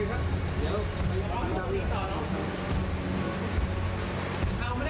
เราไม่ได้กลับบ้านเดี๋ยวใจดีกว่าเลย